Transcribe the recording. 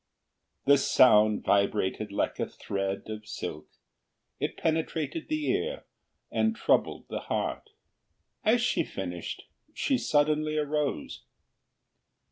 The sound vibrated like a thread of silk; it penetrated the ear and troubled the heart. As she finished, she suddenly arose.